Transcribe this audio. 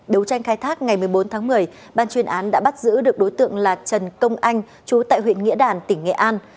đấu tranh khai thác ngày một mươi bốn tháng một mươi ban chuyên án đã bắt giữ được đối tượng là trần công anh chú tại huyện nghĩa đàn tỉnh nghệ an